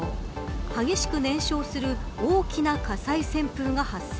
激しく燃焼する大きな火災旋風が発生。